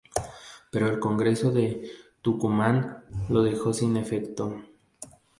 Pero el Congreso de Tucumán lo dejó sin efecto.